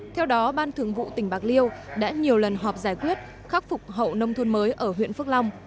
theo đó ban thường vụ tỉnh bạc liêu đã nhiều lần họp giải quyết khắc phục hậu nông thôn mới ở huyện phước long